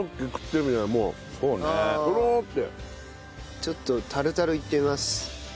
ちょっとタルタルいってみます。